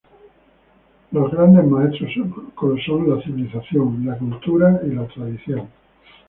Los grandes maestros son la civilización, la cultura y la tradición.